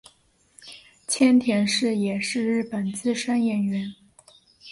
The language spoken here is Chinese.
千田是也是日本资深演员。